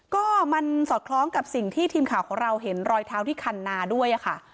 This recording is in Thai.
ก็มันสอดคล้องกับสิ่งที่ทีมข่าวของเราเห็นรอยเท้าที่คันนาด้วยค่ะ